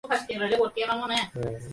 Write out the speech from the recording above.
নীরজা বললে, এসো বোন, আমার কাছে এসো।